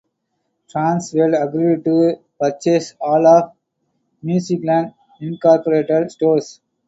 Trans World agreed to purchase all of Musicland Incorporated stores.